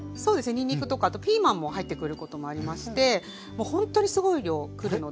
にんにくとかあとピーマンも入ってくることもありましてもうほんとにすごい量来るので。